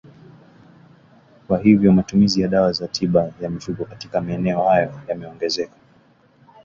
Kwa hivyo matumizi ya dawa za tiba ya mifugo katika maeneo hayo yameongezeka